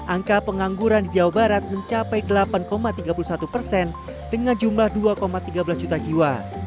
angka pengangguran di jawa barat mencapai delapan tiga puluh satu persen dengan jumlah dua tiga belas juta jiwa